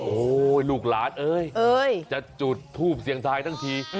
โอ้โหลูกหลานเอ้ยจะจุดทูปเสียงทายทั้งที